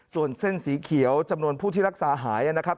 ส่วนเส้นสีเขียวจำนวนผู้ที่รักษาหายนะครับ